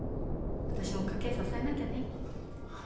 私も家計支えなきゃね